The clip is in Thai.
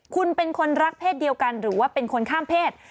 คุณเป็นคนรักเพศเดียวกันหรือว่าเป็นคนข้ามเพศ